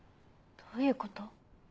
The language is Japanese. どういうこと？